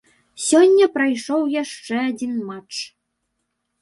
Сёння прайшоў яшчэ адзін матч.